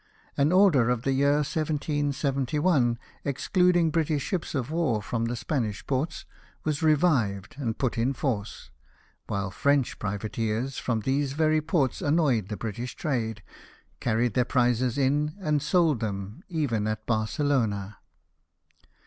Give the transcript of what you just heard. An order of the year 1771, excluding British ships of Avar from the Spanish ports, was revived and put in force ; while French privateers, from these very ports, annoyed the British trade, carried their prizes in, and sold them even at Barce lona.